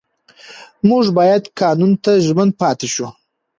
موږ باید قانون ته ژمن پاتې شو